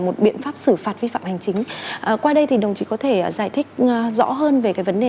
một biện pháp xử phạt vi phạm hành chính qua đây thì đồng chí có thể giải thích rõ hơn về cái vấn đề